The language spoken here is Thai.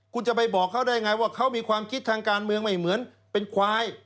คุณจะไปบอกเขาได้ไงว่าเขามีความคิดทางการเมืองไม่เหมือนเป็นควาย